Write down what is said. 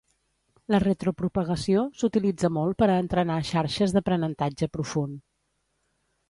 La retropropagació s'utilitza molt per a entrenar xarxes d'aprenentatge profund.